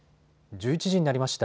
１１時になりました。